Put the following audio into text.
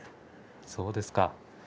そうですか。